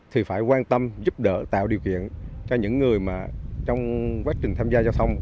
thì phải quan tâm giúp đỡ tạo điều kiện cho những người mà trong quá trình tham gia giao thông